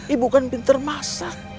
ibu kan pintar masak